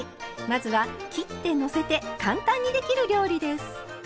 まずは切ってのせて簡単にできる料理です。